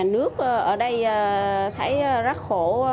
nước ở đây thấy rất khổ